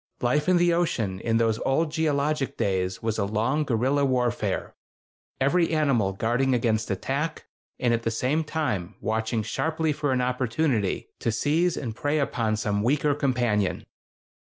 Life in the ocean in those old geologic days was a long guerrilla warfare—every animal guarding against attack, and at the same time watching sharply for an opportunity to seize and prey upon some weaker companion.